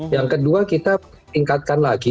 yang kedua kita tingkatkan lagi